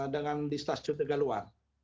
dengan di stasiun negara luar